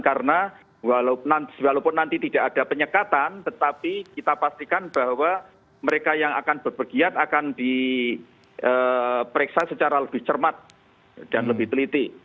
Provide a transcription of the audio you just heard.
karena walaupun nanti tidak ada penyekatan tetapi kita pastikan bahwa mereka yang akan berpergian akan diperiksa secara lebih cermat dan lebih teliti